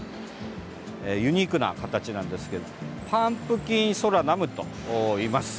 ユニークな形なんですけどパンプキンソラナムといいます。